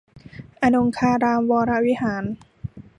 อนงคารามวรวิหาร